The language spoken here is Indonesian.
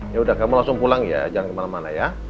yaudah kamu langsung pulang ya jangan kemana mana ya